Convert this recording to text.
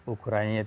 ukurannya itu ribuan